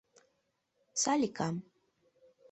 Саликам.